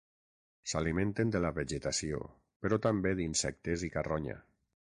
S'alimenten de la vegetació, però també d'insectes i carronya.